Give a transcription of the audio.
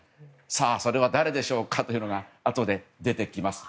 それは誰でしょうかというのがあとで出てきます。